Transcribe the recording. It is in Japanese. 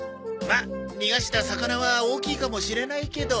まっ逃がした魚は大きいかもしれないけど。